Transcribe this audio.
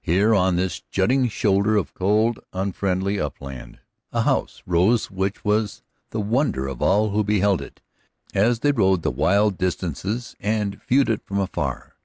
Here on this jutting shoulder of the cold, unfriendly upland, a house rose which was the wonder of all who beheld it as they rode the wild distances and viewed it from afar.